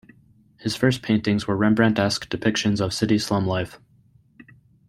His first paintings were Rembrandtesque depictions of city slum life.